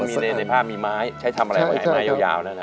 เห็นมีในน้ำในผ้ามีไม้ใช้ทำอะไรไหมไม้ยาวนั่น